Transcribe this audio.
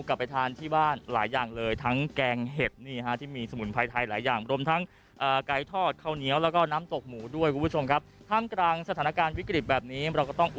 ข้าวแทนัททีวีรายงาน